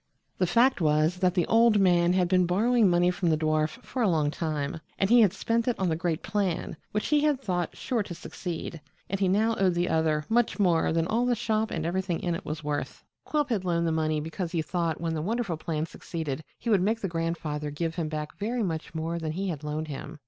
The fact was that the old man had been borrowing money from the dwarf for a long time, and had spent it on the great plan, which he had thought sure to succeed, and he now owed the other much more than all the shop and everything in it was worth. Quilp had loaned the money because he thought when the wonderful plan succeeded he would make the grandfather give him back very much more than he had loaned him.